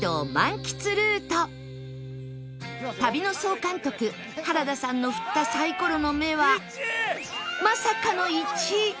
旅の総監督原田さんの振ったサイコロの目はまさかの「１」